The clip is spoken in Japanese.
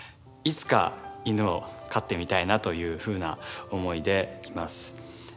いつか犬を飼ってみたいなというふうな思いでいます。